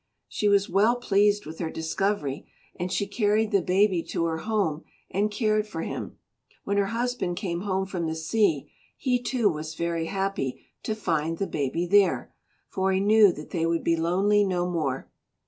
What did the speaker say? She was well pleased with her discovery, and she carried the baby to her home and cared for him. When her husband came home from the sea, he, too, was very happy to find the baby there, for he knew that they would be lonely no more.